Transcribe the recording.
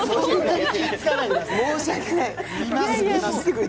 申し訳ない。